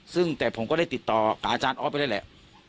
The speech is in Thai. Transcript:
ซึ่งแต่ผมก็ได้ติดต่อกับอาจารย์ออฟไปได้แหละ